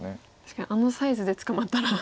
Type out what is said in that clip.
確かにあのサイズで捕まったら。